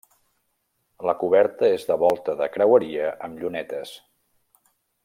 La coberta és de volta de creueria amb llunetes.